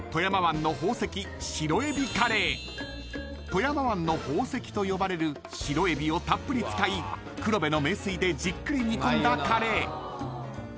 ［富山湾の宝石と呼ばれるシロエビをたっぷり使い黒部の名水でじっくり煮込んだカレー］